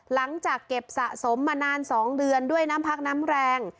หลังจากเก็บสะสมมานาน๒เดือนด้วยน้ำพักน้ำแรง